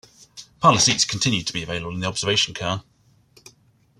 Parlor seats continued to be available in the observation car.